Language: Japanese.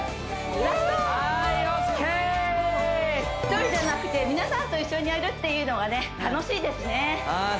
１人じゃなくて皆さんと一緒にやるっていうのがね楽しいですねああ